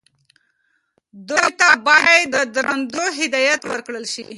دوی ته باید د دندو هدایت ورکړل شي.